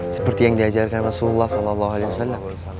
seperti yang diajarkan rasulullah saw